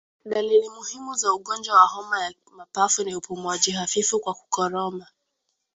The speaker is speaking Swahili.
Dalili muhimu za ugonjwa wa homa ya mapafu ni upumuaji hafifu kwa kukoroma